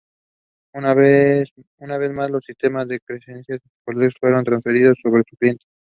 Una vez más, los sistemas de creencias de Colter fueron transferidos sobre su cliente.